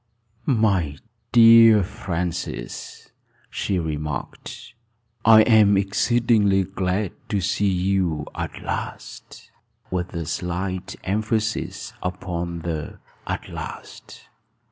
"My dear Francis," she remarked, "I am exceedingly glad to see you at last," with a slight emphasis upon the "at last."